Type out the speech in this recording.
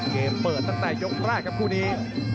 เกมเปิดตั้งแต่ยกแรกครับคู่นี้